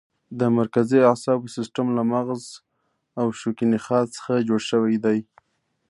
د مرکزي اعصابو سیستم له مغز او شوکي نخاع څخه جوړ شوی دی.